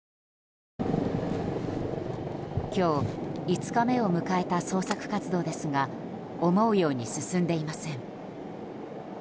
今日、５日目を迎えた捜索活動ですが思うように進んでいません。